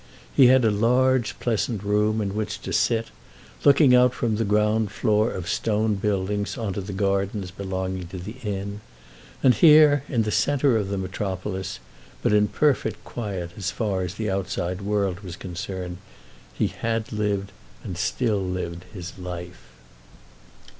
He had a large pleasant room in which to sit, looking out from the ground floor of Stone Buildings on to the gardens belonging to the Inn, and here, in the centre of the metropolis, but in perfect quiet as far as the outside world was concerned, he had lived and still lived his life.